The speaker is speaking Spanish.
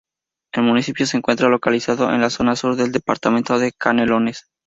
El municipio se encuentra localizado en la zona sur del departamento de Canelones.